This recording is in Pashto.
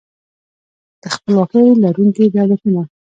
د خپلواکۍ لرونکي دولتونه